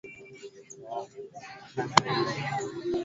aa mkufuzi wake kuthibitisha hilo baada ya kupa la jiraha